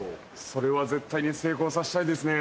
それは絶対に成功さしたいですね。